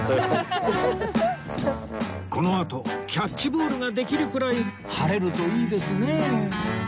このあとキャッチボールができるくらい晴れるといいですね